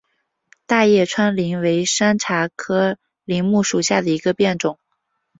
大叶川柃为山茶科柃木属下的一个变种。